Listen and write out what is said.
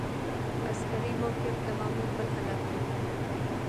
عسکري موقف د مامور بل حالت دی.